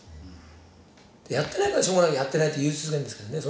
やってないからしょうがなく「やってない」って言い続けるんですけどね。